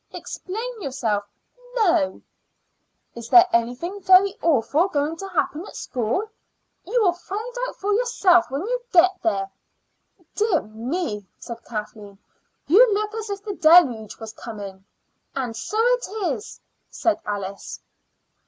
"Explain yourself." "No." "Is there anything very awful going to happen at school?" "You will find out for yourself when you get there." "Dear me!" said Kathleen; "you look as if the deluge was coming." "And so it is," said Alice.